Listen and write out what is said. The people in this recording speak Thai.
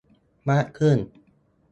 มากขึ้น